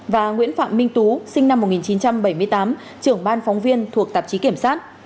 và nguyễn phạm minh tú sinh năm một nghìn chín trăm bảy mươi tám trưởng ban phóng viên thuộc tạp chí kiểm soát